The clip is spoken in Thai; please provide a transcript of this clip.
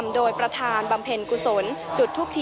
พาคุณผู้ชมไปติดตามบรรยากาศกันที่วัดอรุณราชวรรมหาวิหารค่ะ